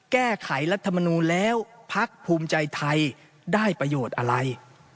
แก้ไขรัฐมนูลแล้วพักภูมิใจไทยได้ประโยชน์อะไร